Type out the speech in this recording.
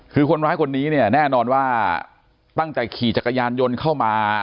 คือคนร้ายคนนี้เนี่ยแน่นอนว่าตั้งแต่ขี่จักรยานยนต์เข้ามา